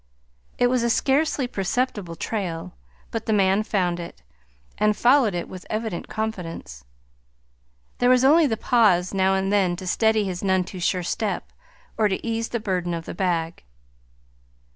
It was a scarcely perceptible trail, but the man found it, and followed it with evident confidence. There was only the pause now and then to steady his none too sure step, or to ease the burden of the bag.